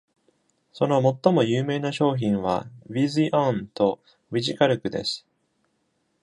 そのもっとも有名な商品は VisiOn とヴィジカルクです。